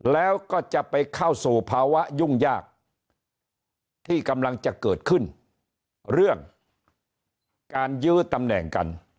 แล้วก็จะไปเข้าสู่ภาวะยุ่งยากที่กำลังจะเกิดขึ้นเรื่องการยื้อตำแหน่งกัน